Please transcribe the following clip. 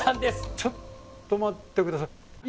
ちょっと待って下さい。